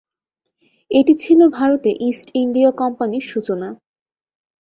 এটি ছিল ভারতে ইস্ট ইন্ডিয়া কোম্পানির সূচনা।